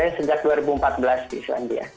saya sejak dua ribu empat belas di islandia